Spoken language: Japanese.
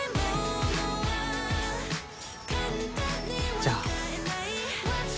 じゃあ。